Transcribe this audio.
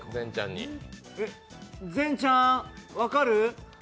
善ちゃん、分かる？